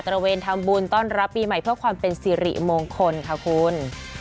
ระเวนทำบุญต้อนรับปีใหม่เพื่อความเป็นสิริมงคลค่ะคุณ